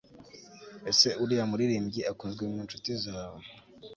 Ese uriya muririmbyi akunzwe mu nshuti zawe